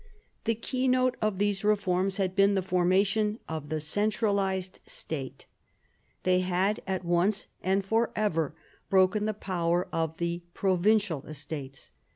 The keynote of those 190 MARIA THERESA chap, ix reforms had been the formation of the centralised State ; they had at once and for ever broken the power of the provincial Estates.